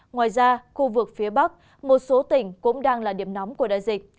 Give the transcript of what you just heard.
ngoài ra khu vực phía bắc một số tỉnh cũng đang là điểm nóng của đại dịch